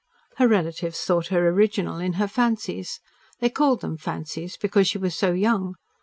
Her relatives thought her original in her fancies. They called them fancies because she was so young.